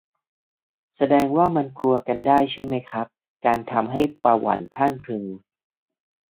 แสดงว่ามันกลัวกันได้ใช่ไหมครับ การทำให้ประหวั่นพรั่นพรึง